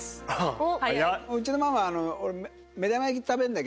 うちのママ。